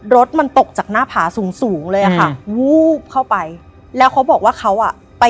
รถมันตกจากหน้าผาสูงเลยค่ะ